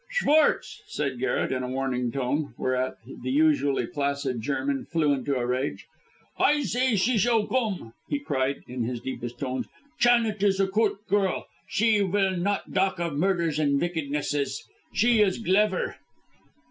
"Schwartz!" said Garret, in a warning tone, whereat the usually placid German flew into a rage. "I say she shall gome!" he cried, in his deepest tones. "Chanet is a goot girl; she vill not dalk of murders and wickednesses. She is glever!"